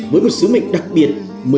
với một sứ mệnh đặc biệt